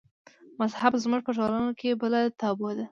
مذهب زموږ په ټولنه کې بله تابو ده.